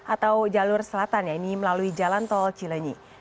atau jalur selatan yaitu melalui jalan tol cilenyi